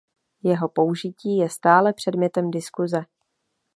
Jeho použití je stále předmětem diskuse.